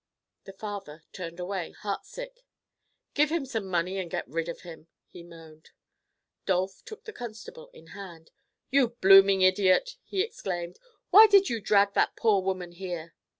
The father turned away, heartsick. "Give him some money and get rid of him," he moaned. Dolph took the constable in hand. "You blooming idiot!" he exclaimed. "Why did you drag that poor woman here?"